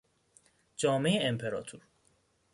جامهی امپراطور